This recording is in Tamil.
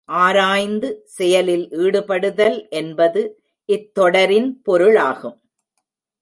ஆராய்ந்து செயலில் ஈடுபடுதல் என்பது இத் தொடரின் பொருளாகும்.